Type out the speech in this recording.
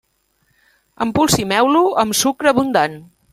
Empolsimeu-lo amb sucre abundant.